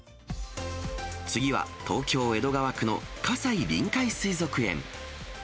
次は、東京・江戸川区の葛西臨海水族園。